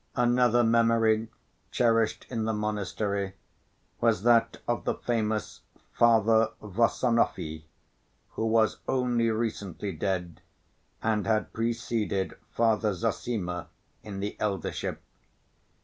Another memory cherished in the monastery was that of the famous Father Varsonofy, who was only recently dead and had preceded Father Zossima in the eldership.